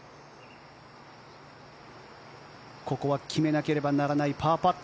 ここは決めなければならないパーパット。